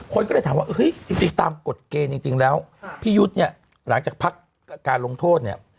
คนก็เลยถามว่าเฮ้ยจริงตามกฎเกณฑ์จริงแล้วพี่ยุทธ์เนี่ยหลังจากพักการลงโทษเนี่ย